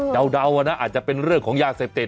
เดานะอาจจะเป็นเรื่องของยาเสพติด